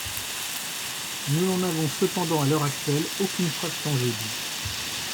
Nous n'en avons cependant à l'heure actuelle aucune preuve tangible.